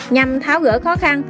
nhằm tháo gỡ khó khăn